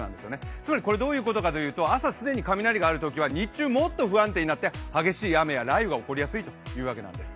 つまりどういうことかというと、朝雷のあるときは日中、もっと不安定になって激しい雨や雷雨が起こりやすいということなんです。